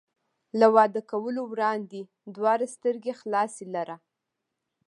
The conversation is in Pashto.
له واده کولو وړاندې دواړه سترګې خلاصې لره.